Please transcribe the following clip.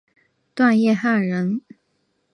段业汉人。